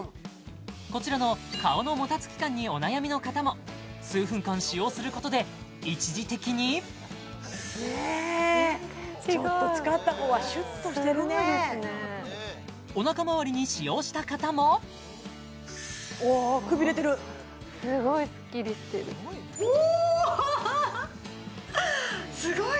こちらの顔のもたつき感にお悩みの方も数分間使用することで一時的にねぇ全然違う使った方はシュッとしてるねすごいですねお腹まわりに使用した方もうわくびれてるすごいスッキリしてるおハハハすごい！